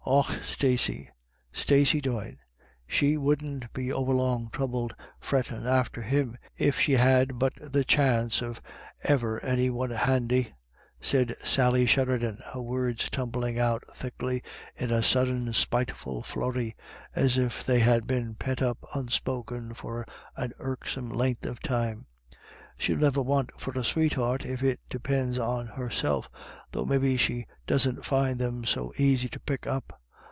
"Och Stacey — Stacey Doyne — she wouldn't be over long troubled frettin' after him, if she had but the chanst of e'er another one handy," said Sally Sheridan, her words tumbling out thickly in a sudden spiteful flurry, as if they had been sift IRISH IDYLLS. pent up unspoken for an irksome length of time. u Shell niver want for a sweetheart, if it depinds on herself, though maybe she doesn't find them so aisy to pick up.